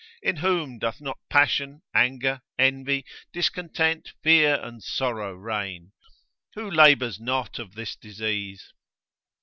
in whom doth not passion, anger, envy, discontent, fear and sorrow reign? Who labours not of this disease?